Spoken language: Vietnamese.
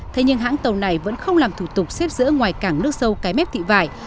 thế nhưng hãng tàu này vẫn không làm thủ tục xếp giữa ngoài cảng nước sâu cái mép thị vải